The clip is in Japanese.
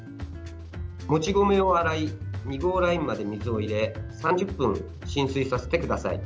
もち米を洗い２合ラインまで水を入れ３０分浸水させてください。